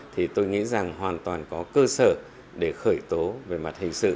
thì tôi nghĩ rằng hoàn toàn có cơ sở để khởi tố về mặt hình sự